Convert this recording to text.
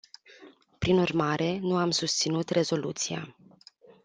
Prin urmare, nu am susținut rezoluția.